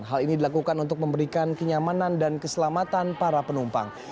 hal ini dilakukan untuk memberikan kenyamanan dan keselamatan para penumpang